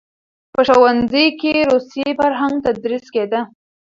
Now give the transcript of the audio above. په ښوونځیو کې روسي فرهنګ تدریس کېده.